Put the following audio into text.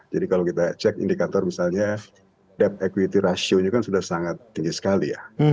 jadi kalau kita cek indikator misalnya debt equity ratio nya kan sudah sangat tinggi sekali ya